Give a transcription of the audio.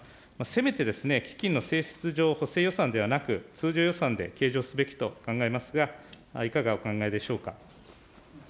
せめてですね、基金の性質上、補正予算ではなく、通常予算で計上すべきと考えますが、いかがお考えでしょうか。